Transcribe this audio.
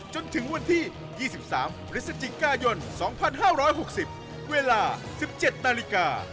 จนถึงวันที่๒๓พฤศจิกายน๒๕๖๐เวลา๑๗นาฬิกา